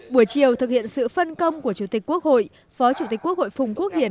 buổi chiều thực hiện sự phân công của chủ tịch quốc hội phó chủ tịch quốc hội phùng quốc hiển